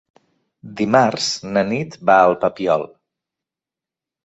Dimarts na Nit va al Papiol.